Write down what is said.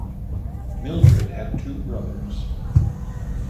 Mildred had two brothers.